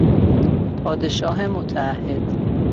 پادشاه متعهد